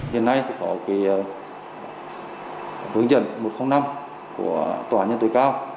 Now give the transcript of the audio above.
hiện nay có vướng dẫn một trăm linh năm của tòa nhân tội cao